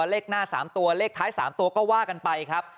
เลขหน้า๓ตัวเลขท้าย๓ตัวก็ว่ากันไปครับ